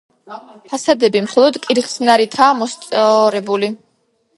ფასადები მხოლოდ კირხსნარითაა მოსწორებული.